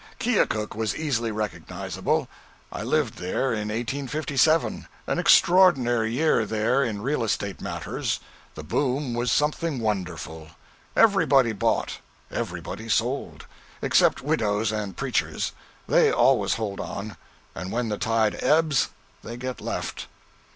Keokuk was easily recognizable. I lived there in 1857 an extraordinary year there in real estate matters. The 'boom' was something wonderful. Everybody bought, everybody sold except widows and preachers; they always hold on; and when the tide ebbs, they get left.